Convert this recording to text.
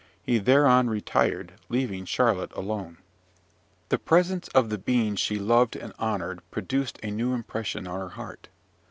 He thereon retired, leaving Charlotte alone. The presence of the being she loved and honoured produced a new impression on her heart.